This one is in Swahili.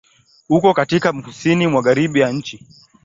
Uko katika Kusini Magharibi ya nchi.